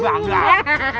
saya mau mendengarkan